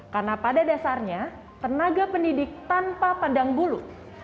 karena pada dasarnya tenaga pendidik tanpa pandang bulu